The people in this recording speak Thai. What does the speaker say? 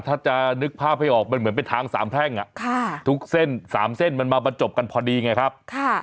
ถ้าจะนึกภาพให้ออกมันเหมือนเป็นทางสามแพร่งทุกเส้น๓เส้นมันมาบรรจบกันพอดีไงครับ